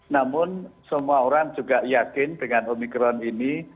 namun semua orang juga yakin dengan omikron ini